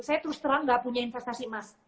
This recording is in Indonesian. saya terus terang gak punya investasi emas